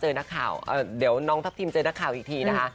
นักข่าวเดี๋ยวน้องทัพทิมเจอนักข่าวอีกทีนะคะ